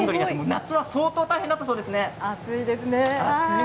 夏は相当大変だったそうですね。